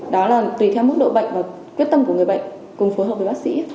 đó là tùy theo mức độ bệnh và quyết tâm của người bệnh cùng phối hợp với bác sĩ